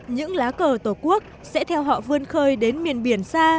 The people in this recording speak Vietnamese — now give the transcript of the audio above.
những lá cờ tổ quốc sẽ theo họ vươn khơi đến miền biển xa